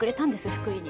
福井に。